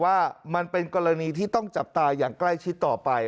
ว่ามันเป็นกรณีที่ต้องจับตาอย่างใกล้ชิดต่อไป